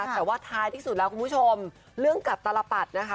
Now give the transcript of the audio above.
แต่ว่าท้ายที่สุดแล้วคุณผู้ชมเรื่องกับตลปัดนะคะ